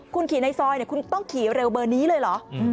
คุณขี่ในซอยคุณต้องขี่เร็วเบอร์นี้เลยเหรอ